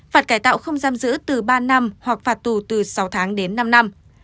phạt cải tạo không giam giữ từ ba năm hoặc phạt tù từ sáu tháng đến năm năm